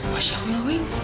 masya allah weng